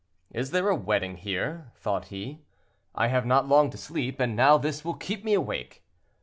"Is there a wedding here?" thought he, "I have not long to sleep, and now this will keep me awake."